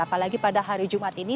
apalagi pada hari jumat ini